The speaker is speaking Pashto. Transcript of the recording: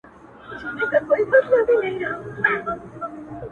دلته ځوانان ټوله زنده گي وركـوي تا غــــــواړي ـ